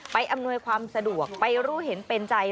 อำนวยความสะดวกไปรู้เห็นเป็นใจ